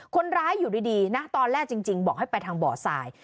คนร้ายอยู่ดีนะตอนแรกจริงบอกให้ไปทางบ่อทราย